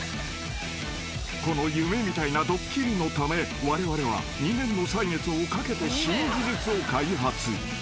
［この夢みたいなドッキリのためわれわれは２年の歳月をかけて新技術を開発］